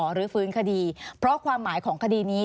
หรือฟื้นคดีเพราะความหมายของคดีนี้